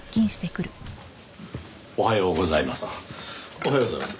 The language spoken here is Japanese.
おはようございます。